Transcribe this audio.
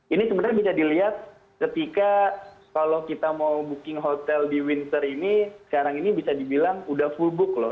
ini sebenarnya bisa dilihat ketika kalau kita mau booking hotel di windsor ini sekarang ini bisa dibilang udah full book loh